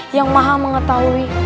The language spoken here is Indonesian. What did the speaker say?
yang maha mengetahui